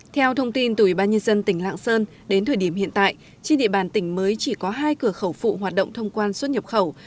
theo thông tin từ ubnd tỉnh lạng sơn đến thời điểm hiện tại trên địa bàn tỉnh mới chỉ có hai cửa khẩu phụ hoạt động thông quan xuất nhập khẩu